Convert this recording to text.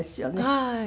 はい。